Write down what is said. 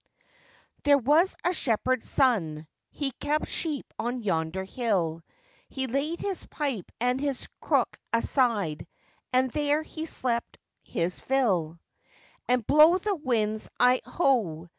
'] THERE was a shepherd's son, He kept sheep on yonder hill; He laid his pipe and his crook aside, And there he slept his fill. And blow the winds, I ho!